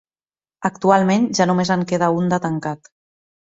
Actualment ja només en queda un de tancat.